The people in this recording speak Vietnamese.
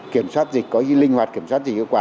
kiểm soát dịch có gì linh hoạt kiểm soát dịch kết quả